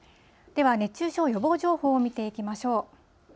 では熱中症予防情報を見ていきましょう。